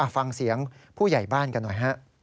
ฟังเสียงผู้ใหญ่บ้านกันหน่อยฮะ